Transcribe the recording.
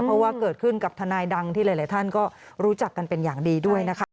เพราะว่าเกิดขึ้นกับทนายดังที่หลายท่านก็รู้จักกันเป็นอย่างดีด้วยนะคะ